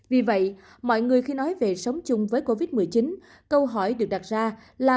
vì vậy mọi người khi nói về sống chung với covid một mươi chín câu hỏi được đặt ra là